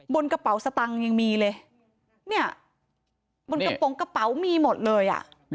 บนกระเป๋าสตังยังมีเลยบนกระโปรงกระเป๋ามีหมดเลย